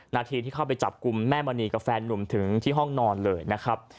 นาทีที่เข้าไปจับกลุ่มแม่มณีกับแฟนหนุ่มถึงที่ห้องนอนเลยนะครับ